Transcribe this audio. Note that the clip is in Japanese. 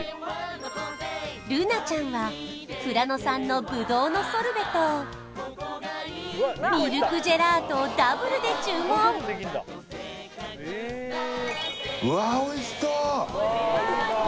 瑠菜ちゃんは富良野産のブドウのソルベとミルクジェラートをダブルで注文うわおいしそうっ